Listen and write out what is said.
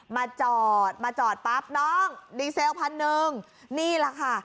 มาจอดมาจอดปั๊บน้องดีเซลพันหนึ่งนี่แหละค่ะ